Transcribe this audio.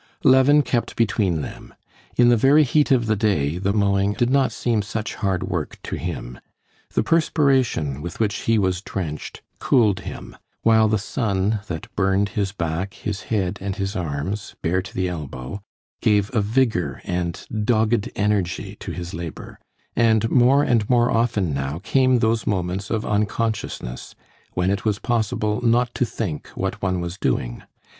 Levin kept between them. In the very heat of the day the mowing did not seem such hard work to him. The perspiration with which he was drenched cooled him, while the sun, that burned his back, his head, and his arms, bare to the elbow, gave a vigor and dogged energy to his labor; and more and more often now came those moments of unconsciousness, when it was possible not to think what one was doing.